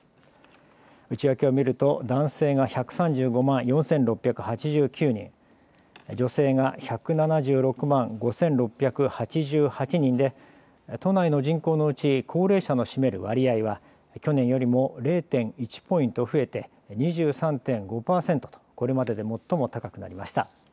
内訳を見ると男性が１３５万４６８９人、女性が１７６万５６８８人で都内の人口のうち高齢者の占める割合は去年よりも０．１ポイント増えて２３．５％とこれまでで最も高くなりました。